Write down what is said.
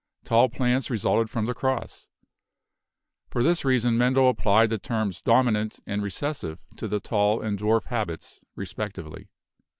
Tall plants resulted from the cross. For this reason Mendel applied the terms 'Dominant' (D) and 'Recessive' (R) to the tall and dwarf habits respectively.